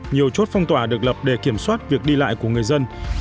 nhiều chốt phong tỏa được lập để kiểm soát việc đi lại của người dân